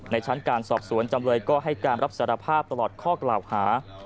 ชั้นการสอบสวนจำเลยก็ให้การรับสารภาพตลอดข้อกล่าวหา